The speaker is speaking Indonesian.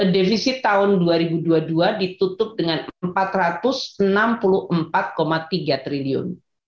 defisit tahun dua ribu dua puluh dua ditutup dengan rp empat ratus enam puluh empat tiga triliun